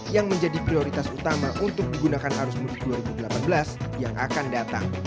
yang menjadi prioritas utama untuk digunakan arus mudik dua ribu delapan belas yang akan datang